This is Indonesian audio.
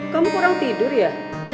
kamu kurang tidur ya